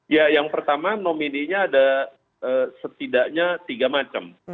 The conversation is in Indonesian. ya yang pertama nomedinya ada setidaknya tiga macam